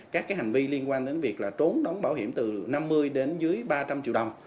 các hành vi liên quan đến việc là trốn đóng bảo hiểm từ năm mươi đến dưới ba trăm linh triệu đồng